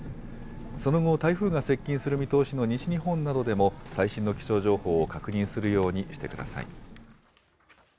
その後、台風が接近する見通しの西日本などでも最新の気象情報を確認するようにしてください。